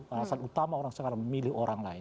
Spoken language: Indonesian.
alasan utama orang sekarang memilih orang lain